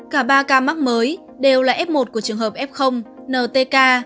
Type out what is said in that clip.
cả ba ca mắc mới đều là f một của trường hợp f ntk